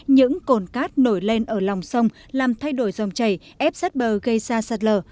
những cồn cát nổi lên ở lòng sông làm thay đổi dòng chảy ép sát bờ gây ra sạt lở